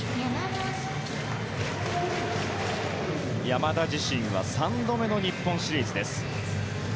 山田自身は３度目の日本シリーズです。